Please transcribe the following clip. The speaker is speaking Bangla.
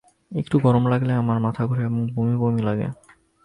একটু গরম লাগলেই আমার মাথা ঘুরায় এবং বমি বমি লাগে।